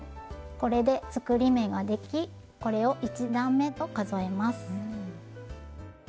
これで作り目ができこれを１段めと数えます。